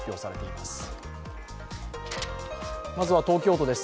まずは東京都です。